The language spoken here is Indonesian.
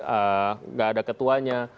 enggak ada ketuanya